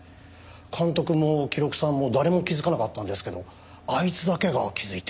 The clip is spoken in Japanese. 監督も記録さんも誰も気づかなかったんですけどあいつだけが気づいて。